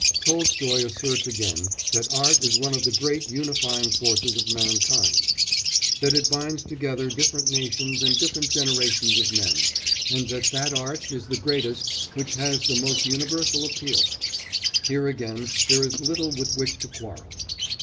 Tolstoy asserts again that art is one of the great unifying forces of mankind, that it binds together different nations and different generations of men, and that that art is the greatest which has the most universal appeal. Here again there is little with which to quarrel.